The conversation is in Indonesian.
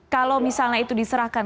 kalau misalnya itu diserahkan